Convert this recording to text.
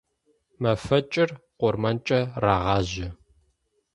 Мэфэкӏыр къурмэнкӏэ рагъажьэ.